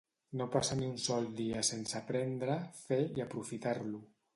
No passa ni un sol dia sense aprendre, fer i aprofitar-lo.